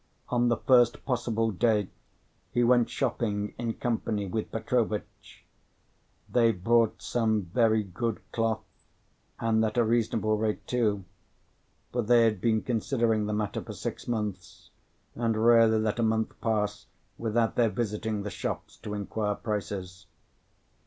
On the first possible day, he went shopping in company with Petrovitch. They bought some very good cloth, and at a reasonable rate too, for they had been considering the matter for six months, and rarely let a month pass without their visiting the shops to inquire prices.